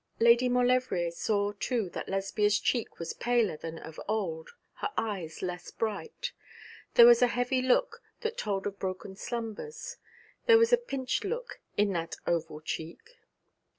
Lady Maulevrier saw, too, that Lesbia's cheek was paler than of old, her eyes less bright. There was a heavy look that told of broken slumbers, there was a pinched look in that oval check.